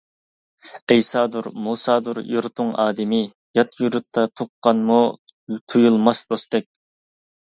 ئەيسادۇر، مۇسادۇر يۇرتۇڭ ئادىمى، يات يۇرتتا تۇغقانمۇ تۇيۇلماس دوستتەك.